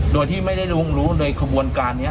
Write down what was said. โดยที่ไม่ได้รู้ขบวนการเนี่ย